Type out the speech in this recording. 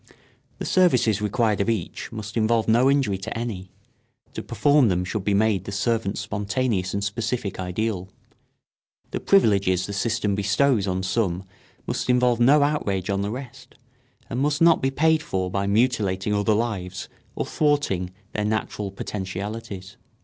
The services required of each must involve no injury to any; to perform them should be made the servant's spontaneous and specific ideal. The privileges the system bestows on some must involve no outrage on the rest, and must not be paid for by mutilating other lives or thwarting their natural potentialities.